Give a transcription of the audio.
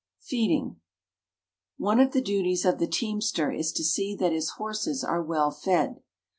FEEDING. One of the duties of the teamster is to see that his horses are well fed.